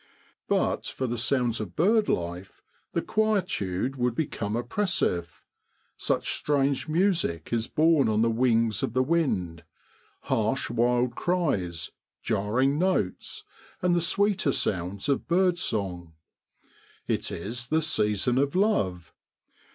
But for the sounds of bird life, the quietude would become oppressive, such strange music is borne on the wings of the wind harsh wild cries, jarring notes, and the sweeter sounds of bird song. It is the season of love.